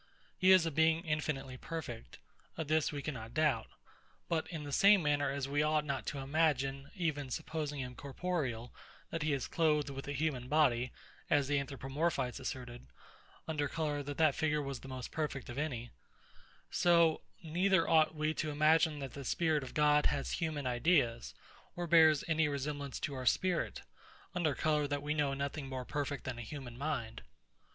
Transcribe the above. He is a Being infinitely perfect: Of this we cannot doubt. But in the same manner as we ought not to imagine, even supposing him corporeal, that he is clothed with a human body, as the ANTHROPOMORPHITES asserted, under colour that that figure was the most perfect of any; so, neither ought we to imagine that the spirit of God has human ideas, or bears any resemblance to our spirit, under colour that we know nothing more perfect than a human mind.